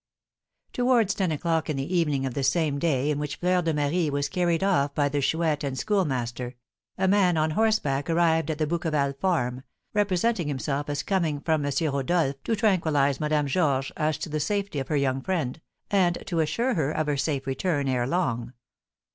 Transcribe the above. Towards ten o'clock in the evening of the same day in which Fleur de Marie was carried off by the Chouette and Schoolmaster, a man on horseback arrived at the Bouqueval farm, representing himself as coming from M. Rodolph to tranquillise Madame Georges as to the safety of her young friend, and to assure her of her safe return ere long.